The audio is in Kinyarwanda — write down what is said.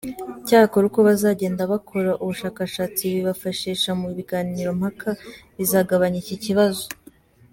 Icyakora uko bazajya bakora ubushakashatsi bifashisha mu biganirompaka bizagabanya iki kibazo.